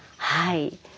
はい。